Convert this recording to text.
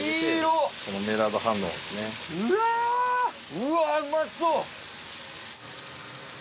うわうまそう！